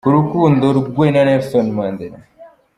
Ku rukundo rwe na Nelson Mandela.